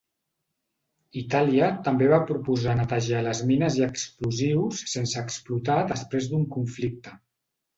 Itàlia també va proposar netejar les mines i explosius sense explotar després d'un conflicte.